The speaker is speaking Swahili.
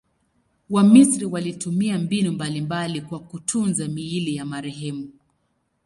Wamisri walitumia mbinu mbalimbali kwa kutunza miili ya marehemu.